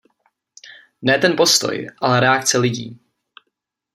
Ne ten postoj, ale reakce lidí.